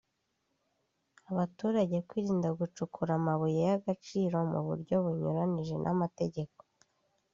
Abaturage kwirinda gucukura amabuye y’agaciro mu buryo bunyuranyije n’amategeko